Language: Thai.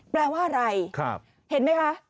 แปลว่าอะไรเห็นไหมคะ